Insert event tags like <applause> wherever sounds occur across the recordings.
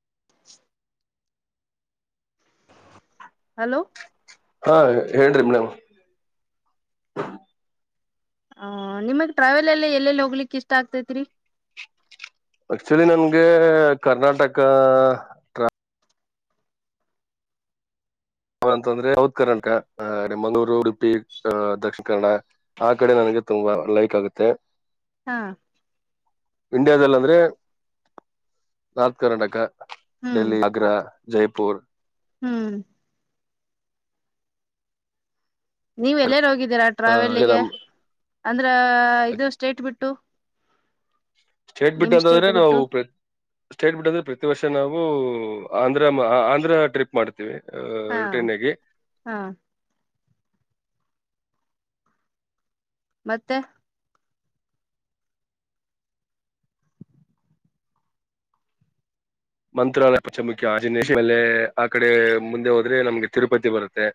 <inaudible> <inaudible> Hello ಹಾ ಹೇಳ್ರಿ madam ಹ ನಿಮಗ್ ಟ್ರಾವೆಲ್ ಎಲ್ಲ ಎಲ್ಲೆಲ್ಲಿ ಹೋಗ್ಲಿಕ್ ಇಷ್ಟ ಆಗ್ತೇತ್ರಿ ಚಳಿ ನನ್ಗೆ ಕರ್ನಾಟಕ ಟ್ರಾವ ಅವಂತಂದ್ರೆ ಸೌತ್ ಕರ್ನಾಟಕ ಮಂಗಳೂರು ಉಡುಪಿ ಅ ದಕ್ಷಿಣ ಕನ್ನಡ ಆ ಕಡೆ ನನಗೆ <inaudible> ತುಂಬಾ ಲೈಕ್ ಆಗುತ್ತೆ ಹಾ ಇಂಡಿಯಾದಲ್ಲ ಅಂದ್ರೆ ನಾರ್ತ್ ಕರ್ನಾಟಕ ಹ್ಮ್ ಡೆಲ್ಲಿ ಆಗ್ರ ಜೈಪುರ್ ಹ್ಮ್. ನೀವ್ ಎಲ್ಲರ್ ಹೋಗಿದ್ದೀರಾ ಟ್ರಾವೆಲ್ಗೆ ನಮ್ ಅಂದ್ರ ಇದು ಸ್ಟೇಟ್ ಬಿಟ್ಟು ಬಿಟ್ಟು ಸ್ಟೇಟ್ ಬಿಟ್ಟ ನಿಮ್ ಅಂತಂದ್ರೆ ಸ್ಟೇಟ್ ನಾವು ಪ್ರ ಸ್ಟೇಟ್ ಬಿಟ್ಟ ಅಂದ್ರೆ ಪ್ರತಿ ವರ್ಷ ನಾವು ಆಂಧ್ರ ಆಂಧ್ರ ಟ್ರಿಪ್ ಮಾಡ್ತೀವಿ ಹಾ ಟ್ರೈನ್ ಆಗಿ ಹಾ ಮತ್ತೆ ಮಂತ್ರಾಲಯ ಪಮುಖಿ ಆಜ ಮೇಲೆ ಆ ಕಡೆ ಮುಂದೆ ಹೋದ್ರೆ ನಮ್ಗೆ ತಿರುಪತಿ ಬರುತ್ತೆ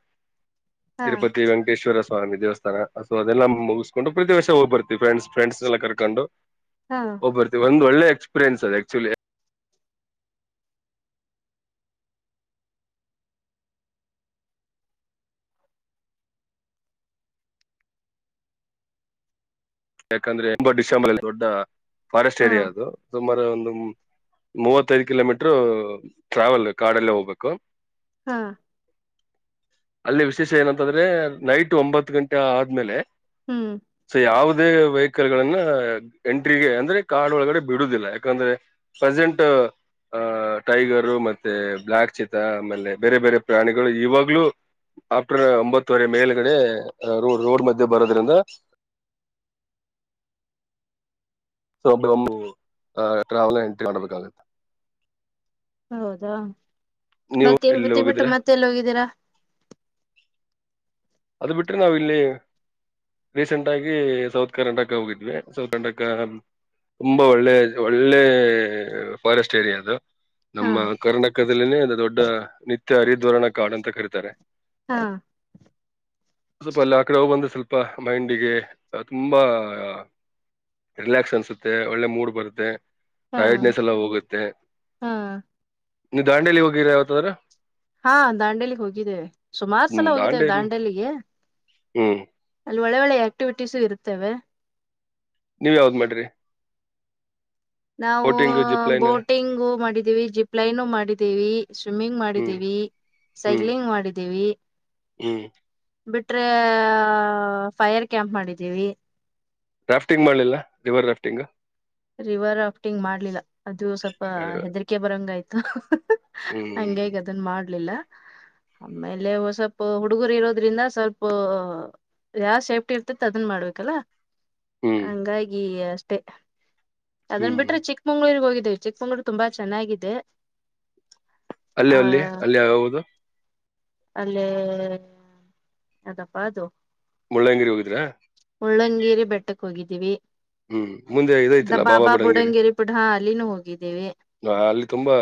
<inaudible> ಹಾ ತಿರುಪತಿ ವೆಂಕಟೇಶ್ವರ ಸ್ವಾಮಿ ದೇವಸ್ಥಾನ ಸೊ ಅದೆಲ್ಲ ಮುಗಿಸಕೊಂಡು ಪ್ರತಿ ವರ್ಷೋಗಬರ್ತತಿ ಫ್ರೆ್ಸ್ ಫ್ರೆಂಡ್ಸ್ ಎಲ್ಲ ಕರ್ಕೊಂಡು ಹಾ ಹಓ್ಬರ್ತೀವಿ ಒಂದ್ ಒಳ್ಳೆ ಎಕ್ಸ್ಪೀರಿಯನ್ಸ್ ಅದ ಆಕ್ಚುಲಿ ಯಾಕಂದ್ರೆ ಒಂಬ ಡಿಸೆಂಬರ್ ಅಲ್ಲಿ ದೊಡ್ಡ ಫಾರೆಸ್ಟ್ ಹಾ ಏರಿಯಾ ಅದು ಸುಮಾರು ಒ ಮೂವತ್ತೈದು ಕಿಲೋಮೀಟರು ಟ್ರಾವೆಲ್ ಕಾಡಲ್ಲೇ ಹೋಗ್ಬೇಕು. ಹಾ. ಅಲ್ಲಿ ವಿಶೇಷ ಏನಂತಂದ್ರೆ ನೈಟ್ ಒಂಬತ್ತು ಗಂಟೆ ಆದ್ಮೇಲೆ ಹ್ಮ್. ಅದೇ ವೆಹಿಕಲ್ ಗಳನ್ನ ಎಂಟ್ರಿಗೆ ಅಂದ್ರೆ ಕಾಡ ಒಳಗಡೆ ಬಿಡೋದಿಲ್ಲ ಯಾಕಂದ್ರೆ ಪ್ರೆಸೆಂಟ್ ಆ ಟೈಗರು ಮತ್ತೆ ಬ್ಲಾಕ್ ಚೀತಾ ಆಮೇಲೆ ಬೇರೆ ಬೇರೆ ಪ್ರಾಣಿಗಳು ಇವಾಗ್ಲೂ ಆಫ್ಟರ್ ಒಂಬತ್ತುವರೆ ಮೇಲ್ಗಡೆ ರೋ ರೋಡ್ ಮಧ್ಯೆ ಬರೋದ್ರಿಂದ ಸೋ ಬ್ರಮ್ ಟ್ರಾವೆಲ್ ಎಂಟ್ರಿ ಮಾಡಬೇಕಾಗುತ್ತೆ. ಹೌದಾ, ನೀವು ಮತ್ತ್ ಎಲ್ಲಿ ತಿರುಪತಿ ಬಿಟ್ಟು ಹೋಗಿದ್ರೆ ಮತ್ತ ಎಲ್ಲೋಗಿದ್ದೀರಾ <inaudible> ಅದು ಬಿಟ್ಟರೆ ನಾವ್ ಇಲ್ಲಿ ರೀಸೆಂಟ್ ಆಗಿ ಸೌತ್ ಕರ್ನಾಟಕ ಹೋಗಿದ್ವಿ ಸೌತ್ ಕರ್ನಾಟಕ ತುಂಬಾ ಒಳ್ಳೆ, ಒಳ್ಳೆ ಫಾರೆಸ್ಟ್ ಏರಿಯಾ ಅದು. ಹಾ ನಮ್ಮ ಕರ್ನಾಟಕದಲ್ಲಿನೇ ಒಂದು ದೊಡ್ಡ ನಿತ್ಯ ಹರಿದ್ವರ್ಣ ಕಾಡು ಅಂತ ಕರೀತಾರೆ. ಹಾ. ಸ್ವಲ್ಪ ಅಲ್ಲ ಆ ಕಡೆ ಹೋಗಿಬಂದ್ರೆ ಸ್ವಲ್ಪ ಮೈಂಡಿಗೆ ತುಂಬಾ ರಿಲ್ಯಾಕ್ಸ್ ಅನ್ಸುತ್ತೆ ಒಳ್ಳೆ ಮೂಡ್ ಬರುತ್ತೆ. ಹಾ ಟೈರ್ಡ್ನೆಸ್ ಎಲ್ಲ ಹೋಗುತ್ತೆ ಹಾ ನೀವು ದಾಂಡೇಲಿ ಹೋಗಿದಿರಾ ಯಾವತ್ತಾದ್ರೂ. ಹಾ ದಾಂಡೇಲಿಗೆ ಹೋಗಿದ್ದೇವೆ ಸುಮಾರು ಹ್ಮ್ ಸಲ ಹೋಗಿದ್ದೇವೆ ದಾಂಡೇಲಿ ದಾಂಡೆಲ್ಲಿಗೆ ಹ್ಮ್ ಒಳ್ಳೆ ಒಳ್ಳೆ ಆಕ್ಟಿವಿಟೀಸು ಇರ್ತವೆ. ನೀವ ಯಾವ್ದ್ ಮಾಡ್ರಿ. ನಾವು ಬೋಟಿಂಗ್ ಜಿಪ್ ಲೈನ್ ಬೋಟಿಂಗು ಮಾಡಿದ್ದೀವಿ, ಜಿಪ್ ಲೈನು ಮಾಡಿದ್ದೀವಿ, ಸ್ವಿಮ್ಮಿಂಗ್ ಹ್ಮ್ ಮಾಡಿದ್ದೀವಿ. ಹ್ಮ್ ಸೈಕ್ಲಿಂಗ್ ಮಾಡಿದ್ದೀವಿ. ಹ್ಮ್. ಬಿಟ್ರೆ ಫೈರ್ ಕ್ಯಾಂಪ್ ಮಾಡಿದ್ದೀವಿ. ರಾಫ್ಟಿಂಗ್ ಮಾಡ್ಲಿಲ್ಲ ರಿವರ್ ರಾಫ್ಟಿಂಗ್. ರಿವರ್ ರಾಫ್ಟಿಂಗ್ ಮಾಡ್ಲಿಲ್ಲ ಅದು ಸ್ವಲ್ಪ ಹೆದರಿಕೆ ಬರಂಗ ಆಯ್ತು. ಹ್ಮ್ ಹಂಗಾಗಿ ಅದನ್ ಮಾಡ್ಲಿಲ್ಲ. ಆಮೇಲೆ ಒ ಸ್ವಲ್ಪ ಹುಡುಗರು ಇರೋದ್ರಿಂದ ಸ್ವಲ್ಪ ಯಾದ್ ಸೇಫ್ಟಿ ಇರ್ತತಿ ಅದನ್ ಮಾಡ್ಬೇಕಲ್ಲಾ. ಹ್ಮ್ ಹಂಗಾಗಿ ಅಷ್ಟೇ ಅದನ್ ಹ್ಮ್ ಬಿಟ್ರೆ ಚಿಕ್ಕಮಂಗ್ಳೂರ್ರಿಗೆ ಹೋಗಿದ್ ಚಿಕ್ಕಮಂಗಳೂರು ತುಂಬಾ ಚೆನ್ನಾಗಿದೆ. ಅಲ್ಲಿ ಆ ಅಲ್ಲಿ ಅಲ್ಲಿ ಯಾವ್ದು ಅಲ್ಲೇ ಯಾದಪ್ಪಾ ಅದು ಮುಳ್ಳಯ್ಯನಗಿರಿ ಹೋಗಿದ್ರಾ ಮುಳ್ಳಂಗೇರಿ ಬೆಟ್ಟಕ್ಕೆ ಹೋಗಿದ್ದೀವಿ. ಹ್ಮ್ ಮುಂದೆ ಇದೈತಿಲ್ಲ ಬಾಬಾ ಬುಡನ್ಗಿರಿ ಬುಡಂಗೇರಿ ಪುಡ ಹಾ ಅಲ್ಲಿನೂ ಹೋಗಿದ್ದೇವಿ ಅಲ್ಲಿ ತುಂಬಾ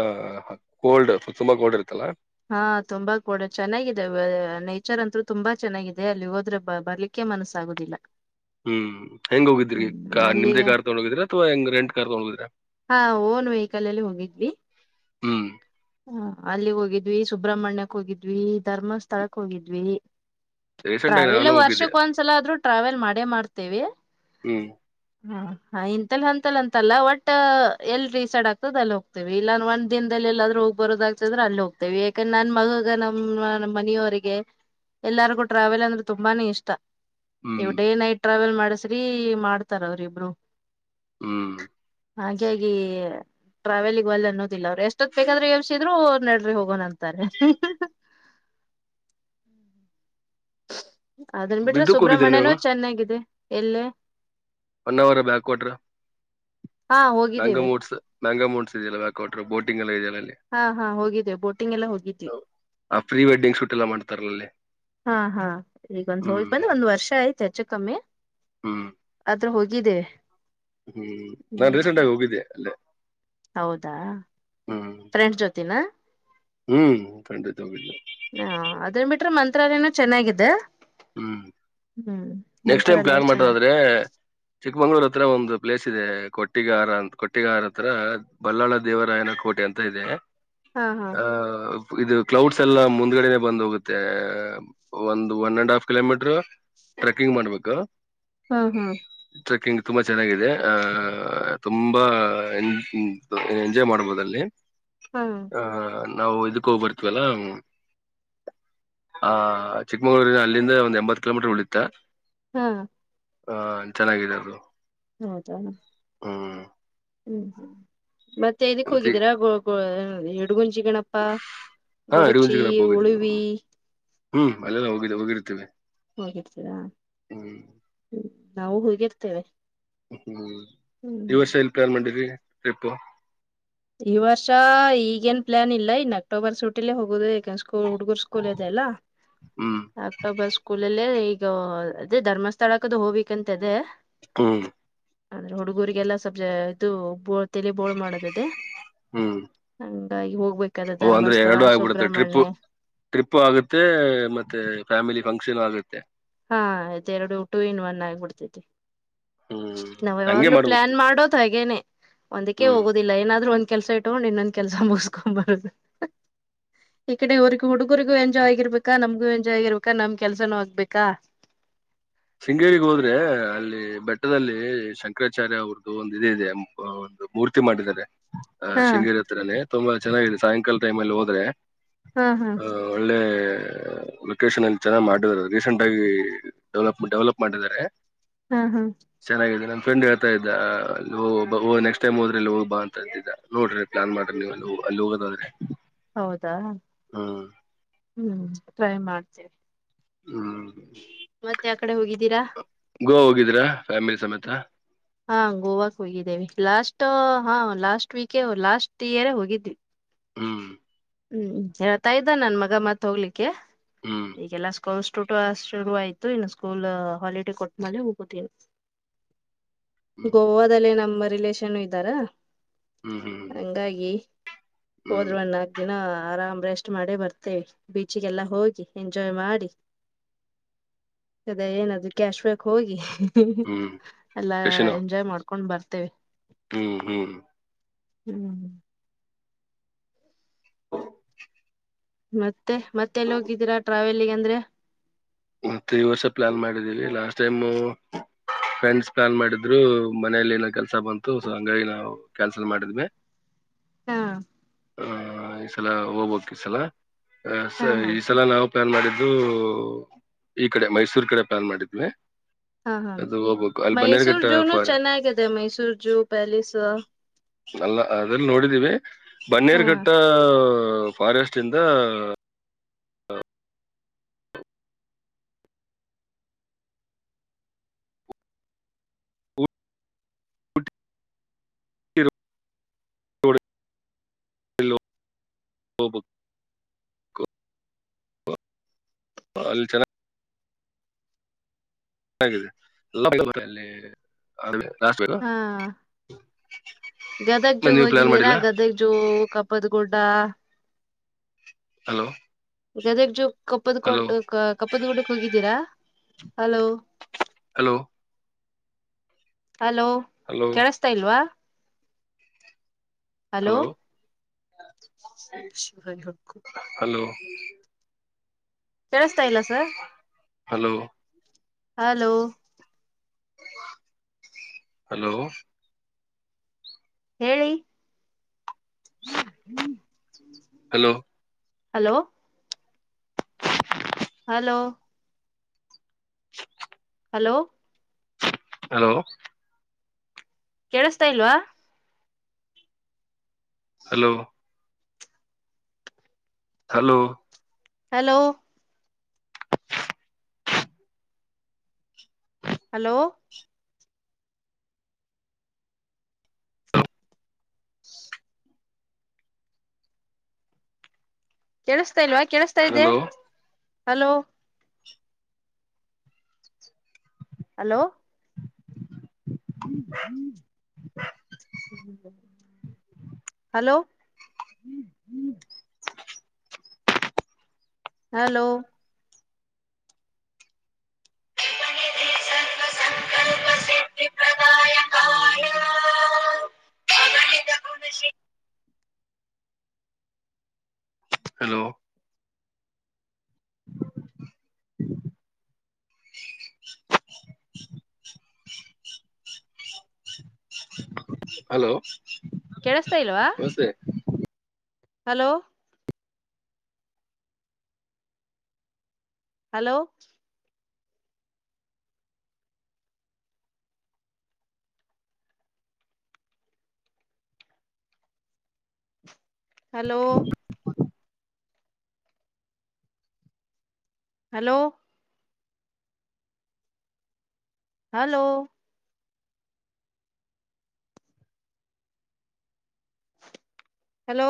ಕೋಲ್ಡ್ ತುಂಬಾ ಕೋಲ್ಡ್ ಇರತ್ತಲ್ಲಾ ಹಾ ತುಂಬಾ ಕೂಡ ಚೆನ್ನಾಗಿದೆ ನೇಚರ್ ಅಂತೂ ತುಂಬಾ ಚೆನ್ನಾಗಿದೆ ಅಲ್ಲಿ ಹೋದ್ರೆ ಬರ್ಲಿಕ್ಕೆ ಮನಸ್ಸಾಗುದಿಲ್ಲ ಹ್ಮ್ ಹೆಂಗ ಹೋಗಿದ್ರಿ ಹ್ಮ್ ನಿಮ್ದೇ ಅಲ್ಲಿಗೆ ಕಾರ್ ತಗೊಂಡ ಹೋಗಿದ್ರಾ ಅಥವಾ ಹೆಂಗ ರೆಂಟ್ ಕಾರ್ ತಗೊಂಡ ಹೋಗಿದ್ರಾ. ಹಾ ಓನ್ ವೆಹಿಕಲ್ಲಲ್ಲೀ ಹೋಗಿದ್ವಿ ಹ್ಮ್ ಹಾ ಅಲ್ಲಿಗ್ ಹೋಗಿದ್ವಿ ಸುಬ್ರಹ್ಮಣ್ಯಕ್ ಹೋಗಿದ್ವಿ ಧರ್ಮಸ್ಥಳಕ್ ಹೋಗಿದ್ವಿ. ರೀಸೆಂಟ್ ಆಗಿ ಟ್ರಾವೆಲ್ ನಾನು ಹೋಗಿದ್ದೆ ವರ್ಷಕ್ ಒಂದ್ಸಲ ಆದ್ರೂ ಟ್ರಾವೆಲ್ ಮಾಡೇ ಮಾಡ್ತೇವಿ. ಹ್ಮ್ ಹ್ಮಾ. ಹಾ ಇಂತಲ್ಲ ಹಂತಲ್ ಅಂತಲ್ಲ ಒಟ್ಟ ಎಲ್ ಡಿಸೈಡ್ ಆಗ್ತದ ಅಲ್ಲಿ ಹೋಗ್ತೇವಿ ಇಲ್ಲಾನ ಒಂದ್ ದಿನದಲ್ಲಿ ಎಲ್ಲಾದ್ರೂ ಹೋಗ್ ಬರೋದಾಗ್ತದ್ರ ಅಲ್ಲಿ ಹೋಗ್ತೇವಿ ಯಾಕಂದ್ ನನ್ ಮಗಗ ನಮ್ಮ್ ನಮ್ ಮನಿಯವರಿಗೆ ಎಲ್ಲಾರ್ಗೂ ಟ್ರಾವೆಲ್ ಅಂದ್ರೆ ತುಂಬಾನೇ ಇಷ್ಟ. ಹ್ಮ್ ನೀವ್ ಡೇ ನೈಟ್ ಟ್ರಾವೆಲ್ ಮಾಡಸ್ರಿ ಮಾಡ್ತಾರ ಅವ್ರ ಇಬ್ರು. ಹ್ಮ್. ಹಾಗಾಗಿ ಟ್ರಾವೆಲಿಗ್ ಒಲ್ಲೆ ಅನ್ನೋದಿಲ್ಲ ಅವರು ಎಷ್ಟೊತ್ ಬೇಕಾದ್ರೆ ಯಬ್ಸಿದ್ರು ನಡ್ರಿ ಹೋಗ್ ಹಗನ್ ಅಂತಾರೆ ಅದನ್ ಬಿಟ್ರೆ ಇದಕ್ ಹೋಗಿದ್ರಿ ಸುಬ್ರ್ಮಣ್ಯನೂ ನೀವು ಚೆನ್ನಾಗಿದೆ ಎಲ್ಲೇ ಒನ್ ಅವರ್ ಬ್ಯಾಕ್ವಾಟ್ರ ಹಾ ಹೋಗಿದ್ದೇವೆ ಮ್ಯಾಂಗಾಮೋಟ್ಸ್ ಇದದೆಲ್ಲ ಬ್ಯಾಕ್ಟ ಬೋಿ್ಲ್ಲಿ ಇದದೆಲ್ಲ ಹಾ ಹಾ ಹೋಗಿದ್ದೇವೆ ಬೋಟಿಂಗ್ ಎಲ್ಲ ಹೋಗಿದ್ವಿ ಆ ಪ್ರೀ ವಡ್ಡಿಂಗ್ ಶೂಟ್ ಎಲ್ಲ ಮಾಡ್ತಾರಲ್ಲಲ್ಲಿ ಹಾ ಹಾ ಈಗೊಂದ್ ಹೋಗಿ ಬಂದ್ರೆ ಒಂದ್ ವರ್ಷ ಆಯ್ತು ಹೆಚ್ಚ ಕಮ್ಮಿ ಹ್ಮ್ ಹತ್ರ ಹೋಗಿದೆ ಹ್ಮ್ ನಾನ್ ರೀಸೆಂಟ್ ಆಗಿ ಹೋಗಿದ್ದೆ ಅಲ್ಲೇ ಹೌದಾ ಹ್ಮ್ ಫ್ರೆಂಡ್ ಜೊತಿನ ಹ್ಮ್ ಖಂಡಿತ ಹೋಗಿಲ್ಲ ಹಾ ಅದ್ರ ಬಿಟ್ರೆ ಮಂತ್ರಾಲಯನ ಚೆನ್ನಿದ್ದ ಹ್ಮ್ ಹ್ಮ್ ನೆಕ್ಸ್ಟ್ ಮಂತ್ರಾಲಯ ಟೈ್ಲಾನ್ ಚೆನ್ನಾಗಿ ಮಾಡರ್ರದ್ರೆ ಚಿಕ್ಕಮಂಗಗಳೂರ ಹತ್ರ ಒಂದು ಪ್ಲೇಸ್ ಇದೆ ಕೊಟ್ಟಿಗಾರ ಅಂತ ಕೊಟ್ಟಿಗಾರ ಹತ್ರ ಬಲ್ಲಾಳ ದೇವರಾಯನ ಕೋಟೆ ಅಂತ ಇದೆ ಹಾ ಹಾ ಹ ಇದು ಕ್ಲೌಡ್ಸ್ ಎಲ್ಲ ಮುಂದ್ಗಡೆನೆ ಬಂದ್ ಹೋಗುತ್ತೆ ಒಂದು one and half kilometre trekking ಮಾಡ್ಬೇಕಾ ಹ್ಮ ಹಾ ಟ್ರೆಕಿಂಗ್ ತುಂಬಾ ಚೆನ್ನಾಗಿದೆ ಅಹ ತುಂಬಾ ಎಂಜಾಯ್ ಮಾಡ್ಬೋದಲ್ಲಿ ಹಾ ಹ ನಾವು ಇದಕ್ಕ ಹೋಗ್ ಬರ್ತವಲ್ಲ ಹ್ಮ್ ಹ ಚಿಕ್ಕಮಂಗ್ಳೂರಿನ ಅಲ್ಲಿಂದ ಒಂದ್ ಎಂಬತ್ ಕಿಲೋಮೀಟರ್ ಉಳಿತ ಹಾ ಹಾ ಚೆನ್ನಾಗಾಗಿದೆದು ಹೌದಾ ಹ್ಮ ಹ್ಮ್್ಮ ಮತ್ತೆ ಇದಕ್ ಹೋಗಿದ್ದೀರಾ ಕೊಡುಗುಂಜಿ ಗಣಪ್ಪ ಹಾ ಗೊಡಚಿ ಅಡಿಗುಂಜಿಗನಪ್ಪ ಹೋಗಿದ್ವಿ ಉಳವಿ ಹ್ಮ್ ಅಲ್ಲ ಹೋಗಿದ್ದ ಹೋಗಿರ್ತೇವಿ ಹೋಗಿರ್ತೀರಾ ಹ್ಮ್ ಹ್ಮ್ ನಾವು ಹೂಗಿರ್ತೇವೆ ಹ್ಮ್ ಈ ವರ್ಷ ಇಲ್ಪೇರ್ ಮಾಡಿದರಿ ಟ್ರಿಪ್ಪು ಈ ವರ್ಷ ಈಗೇನ್ ಪ್ಲಾನ್ ಇಲ್ಲ ಇನ್ನು ಅಕ್ಟೋಬರ್ ಸೂಟಲ್ಲೇ ಹೋಗೋುದು ಯಾಕನ್ ಸ್ಕೂಲ್ ಹುಡುಗರ್ ಸ್ಕೂಲ್ ಇದೆ ಅಲ್ಲ ಹ್ಮ್ ಅಕ್ಟೊಬ್ಬರ್ ಸ್ಕೂಲ್ಲ್ಲ ಅದೇ ಧರ್ಮಸ್ಥಳಕ್ಕದು ಹೋಗ್ಿಕ್ಂತ ಅದೇ ಹ್ಮ ಅಂದ್ರೆ ಹುಡುಗೂರಿಗೆಲ್ಲಾ ಸಬ್ಜ ಇದು ಬ ತೆಲಿ ಬೋಳ ಮಾಡದದೇ ಹ್ಮ್ ಹೋಗ <unintelligible> ಓ ಅಂದ್ರೆ ಎರಡು ಆಗ್ಬಿಡುತ್ತೆ ಟ್ರಿಪ್ ಟ್ರಿಪ್ು ಆಗುತ್ತೆ ಮತ್ತೆ ಫ್ಯಾಮಿಲಿ ಫಂಕ್ಷನ್ ಆಗುತ್ತೆ ಹಾ ಇದೆರಡು ಟೂ ಇನ್ ಒನ್ ಆಗ್ಬಿಡ್ತೈತಿ ಹ್ಮ್ ನಾವ ಹಂಗೆ ಯಾವಾಗ್ಲೂ ಪ್ಲಾನ್ ಮಾಡ್ಬೇಕು ಮಾಡೋದ ಹಾಗೇನೆ ಒಂದಕ್ಕೆ ಹ್ಮ್ ಹೋಗೋದಿಲ್ಲ ಏನಾದ್ೂ ಒಂದ ಕೆಲ್ಸ ಇಟ್ಕೊಂಡ್ ಇನ್ನೊಂದ್ ಕೆಲ್ಸ ಮುಗಿಸಕೊಬಾರದು ಈ ಕಡೆ ಇವ್ರಗ ಹುಡುಗರಿಗ ಎಂಜಾಯ್ ಆಗಿರ್ಬೇಕಾ ನಮಗೂ ಎಜ್ಗಿರ್ಬೇಕಕ್ ನಮ್ ಕೆಲ್ಸನೂ ಆಗ್ಬೇಕಕ್ ಕಾ ಶೃಂಗೇಗ್ ಹೋದ್ರೆ ಅಲ್ಲಿ ಬೆಟ್ಟದಲ್ಲಿ ಶಂಕರಾಚಾರ್ಯ ಅವ್ರದ್ದು ಒಂದು ಇದ ಇದೆ ಒಂದು ಮೂರ್ತಿ ಮಾಡಿದ್ದಾರೆ ಹ ಹಾ ಶೃಂಗೇರಿ ಹತ್ರಿನೆೇ ತುಂಬಾ ಚೆನ್ನರಿ ಸಾಯಂಕಾಲ ಟೈಮ್ ಅಲ್ಲಿ ಹೋದ್ರೆ ಹಾ ಹಾ ಹ ಒಳ್ಳೆ ಲೊಕೇಶನ್ ಅಲ್ಲಿ ಚೆನ್ನ ಮಾಡ ರೀಸೆಂಟ್ ಆಗಿ ಡೆವಲಪ್ ಡೆವಲಪ್ ಮಾಡಿದ್ದಾರೆ ಹಾ ಹಾ ಚೆನ್ನಾಗಿದೆ ನನ್ ಫ್ರೆಂಡ್ ಹಳ್ತಾ ಇದ ಅಓಓ ನಕ್ಸ್ ಟೈಮ್ ಹೋದ್ರೆಲ್ಲಿ ಹೋಗ ಬಾ ಅಂತ ಇದ್ದ ನೋಡ್ರ ಪ್ಲಾನ್ ಮಾಡ್ರಿ ನೀವು ಅ <inaudible> ಅಲ್ಲಿ ಹೋಗದಾದ್ರೆ ಹೌದಾ ಹ್ಮ ಹ್ಮ್ ಟ್ರೈ ಮಾಡ್ತೀನಿ ಹ್ಮ ಹ ಮತ್ತೆ ಯಾ ಕಡೆ ಹೋಗಿದ್ದೀರಾ ಗೋವಾ ಹೋಗಿದೀರಾ ಫ್ಯಾಮಿಲಿ ಸಮೇತ ಹಾ ಗೋವಾಕ್ ಹೋಗಿದ್ದೇವಿ ಲಾಸ್ಟ್ ಹಾ ಲಾಸ್ಟ್ ವೀಕೇ ಲಾಸ್ಟ್ ಇಯರ್ ಹೋಗಿದ್ವಿ ಹ್ಮ್ ಹ್ಮ್ ಹೇಳ್ತಾ ಇದ್ದ ನನ್ ಮಗ ಮತ್ ಹೋಗ್ಲಿಕ್ಕೆ ಹ್ಮ್ ಈಗೆಲ್ಲಾ ಲ್್ಟೋಟ <unintelligible> ಶುರು ಆಯ್ತು ಇನ್ನು ಸ್ಕೂಲ್ ಹಾಲಿಡೇ ಕೊಟ್ಟ ಮ ಹೋಗುದ ಹ್ಮ್ ಗೋವಾದಲ್ಲ ನಮ್ಮ ರಿಲೇಷನ್ ಇದ್ದಾರ ಹ್ಮ್ ಹ್ಮ್ ಹಂಗಾಗಿ ಹ್ಮ್ ಹೋದ್ರನ್ನ ಆರಾಮ್ ರೆಸ್ಟ್ ಮಾಡೇ ಬರ್ತೇವಿ ಬೀಚಿಗೆಲ್ಲಾ ಹೋಗಿ ಎಂಜಾಯ್ ಮಾಡಿ ಅದ ಏನಾದ್ರೂ ಕ್ಯಾಶ್ ಬ್ಯಾಕ್ ಹೋಗಿ ಹ್ಮ್ ಎಲ್ಲಾ ಕಶಿನೋ ಎಂಜಾಯ್ ಮಾಡ್ಕೊಂಡ್ ಬರ್ತೇವಿ ಹ್ಮ್ ಹ್ಮ್ ಹ್ಮ್ ಮತ್ತೆ ಮತ್ತೆ ಎಲ್ಲಿ ಹೋಗಿದ್ದೀರಾ ಟ್ರಾವೆಲ್ಗೆ ಅಂದ್ರೆ ಮತ್ತೆ ಈ ವರ್ಷ ಪ್ಲಾನ್ ಮಾಡಿದ್ದೀವಿ ಲಾಸ್ಟ್ ಟೈಮ್ ಫ್ರೆಂಡ್ಸ್ ಪ್ಲಾನ್ ಮಾಡಿದ್ರು ಮನೇಲಿ ಏನೋ ಕೆಲಸ ಬಂತು ಸೊ ಹಂಗಾಗಿ ನಾ ಕ್ಯಾನ್ಸಲ್ ಮಾಡಿದ್ವಿ ಹಾ ಆ ಈ ಸಲ ಹೋಗ್ಬೇಕಕ್ ಈ ಸಲ ಹಾ ಹಾ ಈ ಸಲ ನಾವು ಪ್ಲಾನ್ ಮಾಡಿದ್ದು ಈ ಕಡೆ ಮೈಸೂರ್ ಕಡೆ ಪ್ಲಾನ್ ಮಾಡಿದ್ವಿ ಹಾ ಹಾ ಅದು ಹೋಗ್ಬೇಕು ಅಲ್ಲಿ ಮೈಸೂರ್ ಬನ್ನೇರುಘಟ್ಟ ಜೂನು ಫಾರ್ ಚೆನ್ನಾಗಿದೆ ಮೈಸೂರ್ ಜೂ ಪ್ಯಾಲೇಸ್ ಅಲ್ಲ ಅದೆಲ್ಲಿ ನೋಡಿದೀವಿ ಬನ್ನೇರ್ ಹಾ ಕಟ್ಟ ಫಾರೆಸ್ಟ್ ಇಂದ ಇ <inaudible> ಹಬ <unintelligible> ಲ್ಚನಾ <unintelligible> ಹಾಗಾಗಿದೆ <unintelligible> ಹಾ ಗದಗ್ ಜಗ್ ನೀವು ಪ್ಲಾನ್ ಹೋಗಿದ್ದೀರಾ ಮಾಡಿಲ್ಲ ಗದಗ್ ಜ ಕಪತ್ ಗ ದಾ ಹಲೋ ಗದಗ್ ಜೋ ಕಪ್ಪದ ಹಲೋ ಕೊಟ್ಟ ಕಪ್ಪದ ಗುಡ್ಡಕ್ ಹೋಗಿದ್ದೀರಾ ಹಲೋ ಹಲೋ ಹಲೋ ಹಲೋ ಕೇಳಸ್ತಾ ಇಲ್ವಾ ಹಲೋ ಹ್ಮ ಕೇಳಿಸತಾ ಇಲ್ಲ ಸರ್ ಹಲೋ ಹಲೋ ಹಲೋ <inaudible> ಹೇಳಿ hello hello hello <inaudible> hello hello ಕೇಳಿಸತಾ ಇಲ್ವಾ ಹಲೋ ಹಲೋ ಹಲೋ ಹಲೋ <inaudible> ಕೇಳಿಸಸ್ತಾ ಇಲ್ವಾ ಕೇಳಸ್ತಾ ಇದ್ದೆ ಹಲೋ ಹಲೋ ಹಲೋ ಹ್ಮ್ ಹ್ಮ್ ಹಲೋ ಹಲೋ ಕ್ಷಿಪಣಿಧಿ ಸರ್ವ ಸಂಕಲ್ಪ <inaudible> ಹಾ <inaudible> ಹಲೋ <inaudible> <inaudible> ಹಲೋ ಕೇಳಿಸತಾ ಇಲ್ವಾ ನಮಸ್ತೆ. Hello hello hello hello hello hello